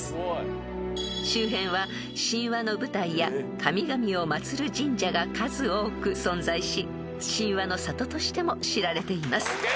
［周辺は神話の舞台や神々を祭る神社が数多く存在し神話の里としても知られています］